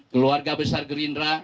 keluarga besar gerindra